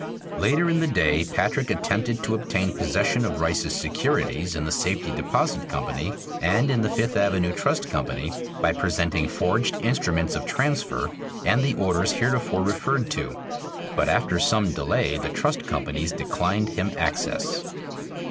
Later in the day Patrick attempted to obtain possession of Rice's securities in the Safety Deposit Company and in the Fifth Avenue Trust Company, by presenting forged instruments of transfer and the orders heretofore referred to; but after some delay the trust companies declined him access.